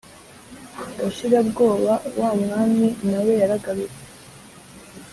Gashirabwoba wa mwami nawe yaragarutse